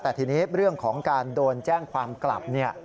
แต่ทีนี้เรื่องของการโดนแจ้งความกลับ